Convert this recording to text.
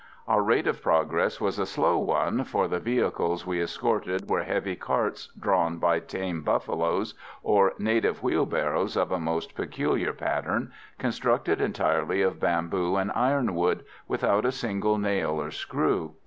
Our rate of progress was a slow one, for the vehicles we escorted were heavy carts, drawn by tame buffaloes, or native wheel barrows of a most peculiar pattern, constructed entirely of bamboo and ironwood, without a single nail or screw.